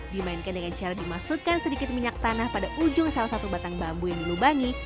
dimainkan dengan cara dimasukkan sedikit minyak tanah pada ujung salah satu batang bambu yang dilubangi